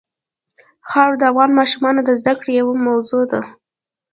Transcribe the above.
خاوره د افغان ماشومانو د زده کړې یوه موضوع ده.